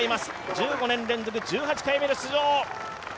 １５年連続１８回目の出場。